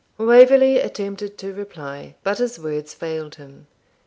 Waverley attempted to reply, but his words failed him.